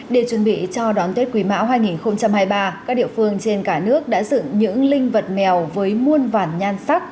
để chuẩn bị cho đón tết quý mão hai nghìn hai mươi ba các địa phương trên cả nước đã dựng những linh vật mèo với muôn vàn nhan sắc